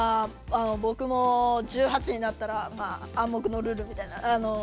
僕も１８になったら暗黙のルールみたいな。